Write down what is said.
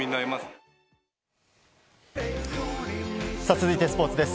続いてスポーツです。